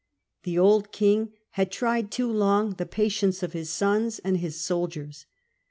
The old king had tried too long the patience of his sons and his soldiers.